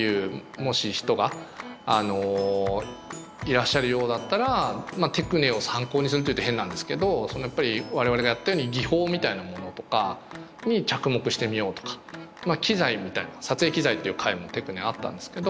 もし人がいらっしゃるようだったらまあテクネを参考にするというと変なんですけどそのやっぱり我々がやったように技法みたいなものとかに着目してみようとかまあ機材みたいな撮影機材っていう回もテクネあったんですけど